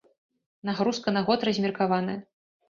Нагрузка на год размеркаваная.